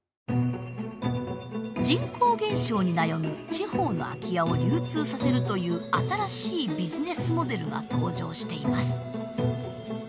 人口減少に悩む地方の空き家を流通させるという新しいビジネスモデルが登場しています。